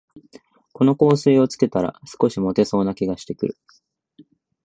この香水をつけたら、少しもてそうな気がしてくる